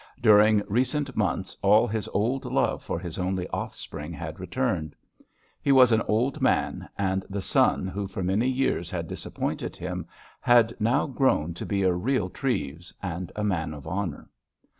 During recent months all his old love for his only offspring had returned. He was an old man, and the son who for many years had disappointed him had now grown to be a real Treves, and a man of honour.